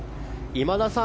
今田さん。